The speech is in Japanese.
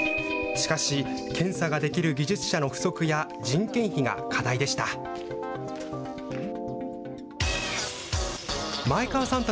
しかし、検査ができる技術者の不足や人件費が課題でした。